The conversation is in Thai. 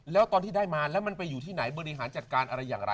แล้วตอนที่ได้มาแล้วมันไปอยู่ที่ไหนบริหารจัดการอะไรอย่างไร